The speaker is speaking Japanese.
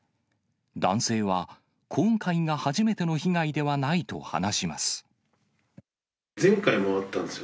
男性は、今回が初めての被害ではないと話します。